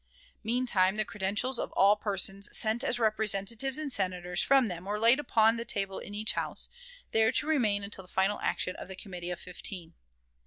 Meantime the credentials of all persons sent as Representatives and Senators from them were laid upon the table in each House, there to remain until the final action of the Committee of Fifteen.